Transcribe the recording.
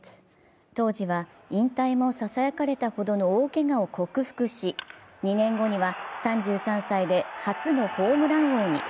当時は引退もささやかれたほどの大けがを克服し２年後には３３歳で初のホームラン王に。